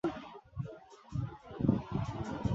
রজনী কাহাকেও কিছু বলিল না, একবার কাঁদিলও না।